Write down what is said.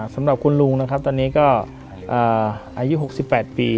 สำหรับคุณลุงนะครับตอนนี้ก็อายุ๖๘ปี